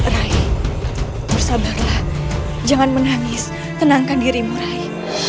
rai bersabarlah jangan menangis tenangkan dirimu rai